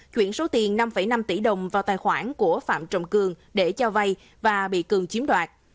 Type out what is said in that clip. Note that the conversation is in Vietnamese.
chuyển số tiền năm năm tỷ đồng vào tài khoản của phạm trọng cường để cho vay và bị cường chiếm đoạt